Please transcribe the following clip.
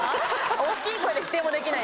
大きい声で否定もできない。